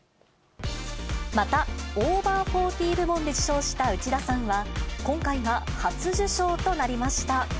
またオーバーフォーティー部門で受賞した内田さんは、今回が初受賞となりました。